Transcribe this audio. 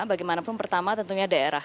bagaimanapun pertama tentunya daerah